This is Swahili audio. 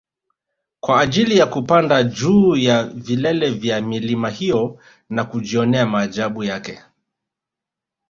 kwa ajili ya kupada juu ya vilele vya milima hiyo na kujionea maajabu yake